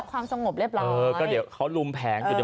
สังหรรกเดี๋ยวนี่เขาหลุมแผง